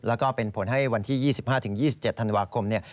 แล้วก็เป็นผลให้วันที่๒๕๒๗ธันวาคมเนี่ย